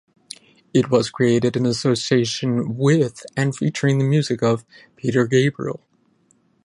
It was created in association with and featuring the music of Peter Gabriel.